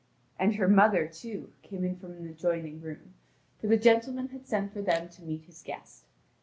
And her mother, too, came in from an adjoining room, for the gentleman had sent for them to meet his guest.